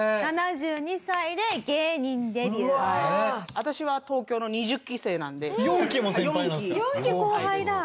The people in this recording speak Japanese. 私は東京の２０期生なんで４期後輩です。